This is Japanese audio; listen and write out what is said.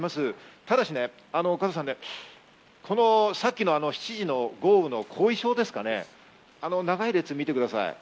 ただし、さっきの７時の豪雨の後遺症ですかね、長い列、見てください。